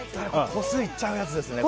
個数いっちゃうやつですね。